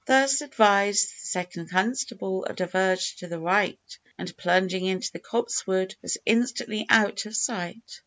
Thus advised, the second constable diverged to the right, and, plunging into the copsewood, was instantly out of sight.